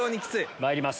まいります